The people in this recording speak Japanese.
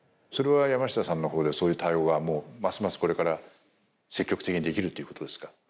それは山下さんのほうでそういう対応はもうますますこれから積極的にできるということですか？